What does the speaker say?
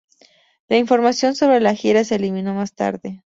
La información sobre la gira se eliminó más tarde.